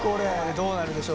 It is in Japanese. どうなるでしょうね？